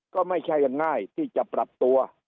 ก็ไม่ใช่ง่ายที่จะปรับตัว